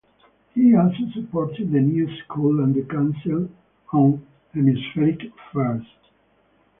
He also supported the New School and the Council on Hemispheric Affairs.